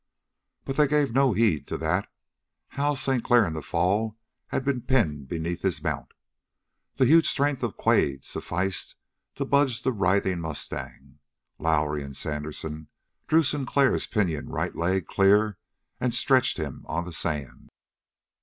But they gave no heed to that. Hal Sinclair in the fall had been pinned beneath his mount. The huge strength of Quade sufficed to budge the writhing mustang. Lowrie and Sandersen drew Sinclair's pinioned right leg clear and stretched him on the sand.